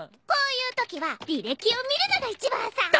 こういうときは履歴を見るのが一番さ。